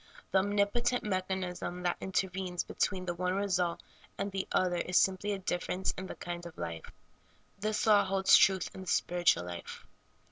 The onjnipotent mechanism that inter\^enes between the one result and the other is simply a difference in the kind of life. This law holds true in the spiritual life.